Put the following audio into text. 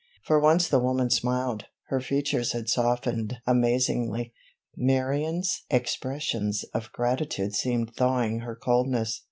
For once the woman smiled; her features had softened amazingly. Marion's expressions of gratitude seemed thawing her coldness.